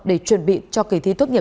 để chuẩn bị cho kỳ thi tuất nghiệp